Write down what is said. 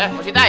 eh mas itai